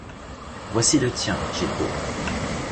Voici le tien, Jeppo.